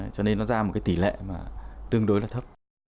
cho nên nó ra một cái tỷ lệ mà tương đối là thấp